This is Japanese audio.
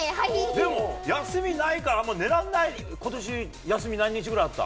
でも、休みないからあんまり寝らんない、ことし休み、何日ぐらいあった？